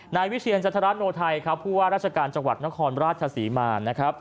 นายวิเชียร์จัตรราโนไทผู้ว่าราชการจังหวัดนครราชสีมาน